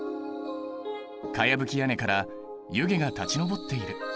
かやぶき屋根から湯気が立ち上っている。